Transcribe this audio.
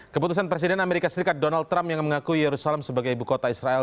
keputusan presiden amerika serikat donald trump yang mengakui yerusalem sebagai ibu kota israel